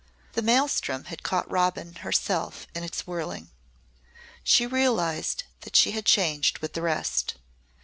The maelstrom had caught Robin herself in its whirling. She realised that she had changed with the rest.